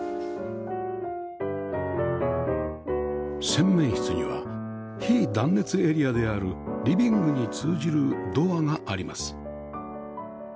洗面室には非断熱エリアであるリビングに通じるドアがあります